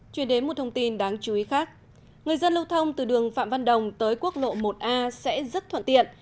chuyển đến một thông tin đáng chú ý khác người dân lưu thông từ đường phạm văn đồng tới quốc lộ một a sẽ rất thuận tiện